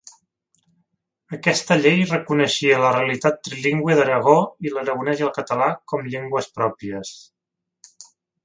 Aquesta llei reconeixia la realitat trilingüe d'Aragó i l'aragonès i el català com llengües pròpies.